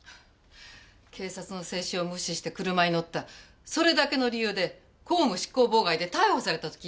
警察の静止を無視して車に乗ったそれだけの理由で公務執行妨害で逮捕されたと聞いたもんですから。